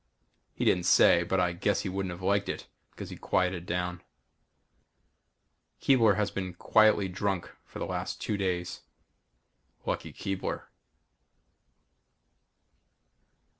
He didn't say, but I guess he wouldn't have liked it because he quieted down. Keebler has been quietly drunk for the last two days. Lucky Keebler.